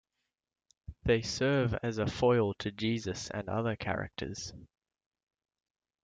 They serve as a foil to Jesus and to other characters.